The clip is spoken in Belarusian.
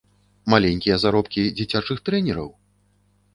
Маленькія заробкі дзіцячых трэнераў?